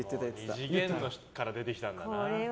二次元から出てきたんだな。